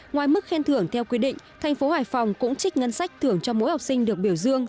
ngoài mức khen thưởng theo quy định thành phố hải phòng cũng trích ngân sách thưởng cho mỗi học sinh được biểu dương